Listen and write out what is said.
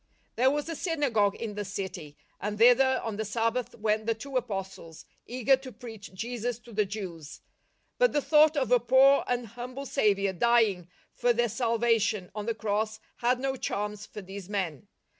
There was a synagogue in the city, and thither on the Sabbath went the two Apostles, eager to preach Jesus to the Jews. But the thought of a poor and humble Saviour dying for their salvation on the Cross had no charms for these men.